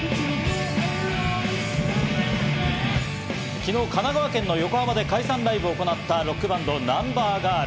昨日、神奈川県横浜で解散ライブを行ったロックバンド、ＮＵＭＢＥＲＧＩＲＬ。